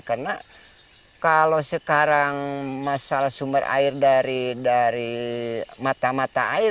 karena kalau sekarang masalah sumber air dari mata mata air